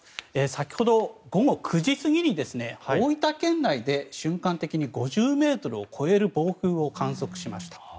先ほど午後９時過ぎに大分県内で瞬間的に５０ｍを超える暴風を観測しました。